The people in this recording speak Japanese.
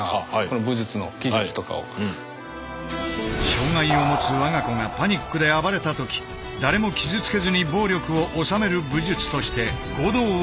障害をもつ我が子がパニックで暴れた時誰も傷つけずに暴力をおさめる武術として護道を創始。